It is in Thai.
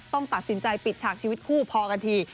ต้องตัดสินใจปิดฉากชีวิตคู่พอกันที